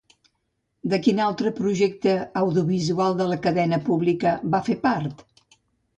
De quin altre projecte audiovisual de la cadena pública va fer part?